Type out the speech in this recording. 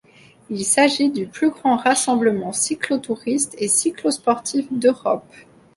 Il s'agit du plus grand rassemblement cyclotouriste et cyclosportif d'Europe.